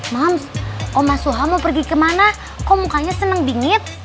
mams oma suha mau pergi kemana kok mukanya seneng dingit